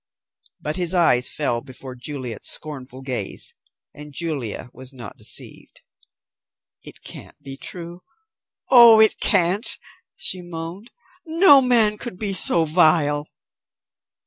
But his eyes fell before Juliet's scornful gaze, and Julia was not deceived. "It can't be true, oh, it can't," she moaned. "No man could be so vile."